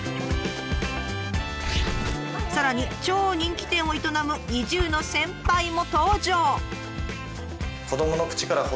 さらに超人気店を営む移住の先輩も登場！